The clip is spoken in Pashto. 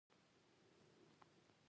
ښکاري د ژوندي پاتې کېدو لپاره زړورتیا ښيي.